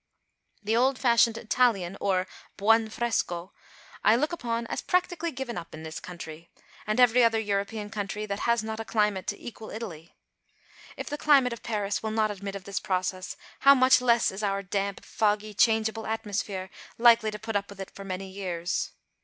The old fashioned Italian or "Buon Fresco" I look upon as practically given up in this country, and every other European country that has not a climate to equal Italy. If the climate of Paris will not admit of this process, how much less is our damp, foggy, changeable atmosphere likely to put up with it for many years!